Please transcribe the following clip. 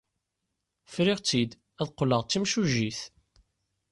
Friɣ-tt-id ad qqleɣ d timsujjit.